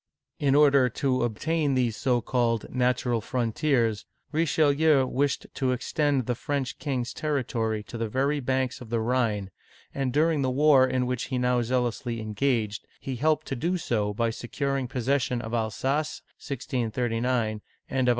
In order to obtain these so called "natural frontiers," Richelieu wished to extend the French king's territory to the very banks of the Rhine, and during the war in which he now zealously engaged, he helped to do so by securing possession of Alsace' (1639) ^^^ of Artois (ar twa', 1640). o. F.